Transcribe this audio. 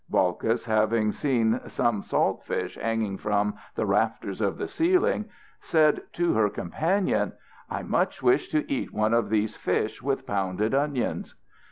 Balkis, having seen some salt fish hanging from the rafters of the ceiling, said to her companion: "I much wish to eat one of these fish with pounded onions."